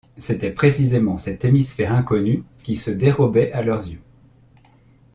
C’était précisément cet hémisphère inconnu qui se dérobait à leurs yeux!